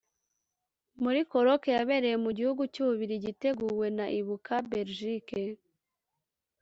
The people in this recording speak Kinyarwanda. muri colloque yabereye mu gihugu cy ububiligi iteguwe na ibuka belgique